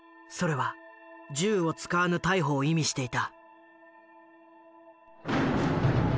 それは銃を使わぬ逮捕を意味していた。